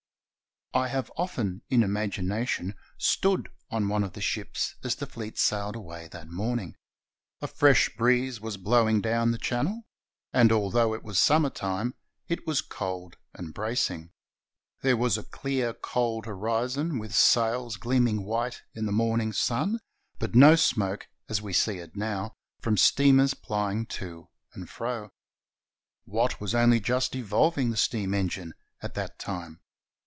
I have often, in imagination, stood on one of the ships as the fleet sailed away that morning. A fresh breeze was blowing down the Channel, and although it was summer time, it was cold and bracing. There was a clear, cold horizon with sails gleaming white in the morn ing sun, but no smoke, as we see it now, from steamers plying to and fro. Watt was only just evolving the steam engine at that time.